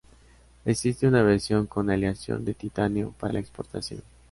Existe una versión con aleación de titanio para la exportación.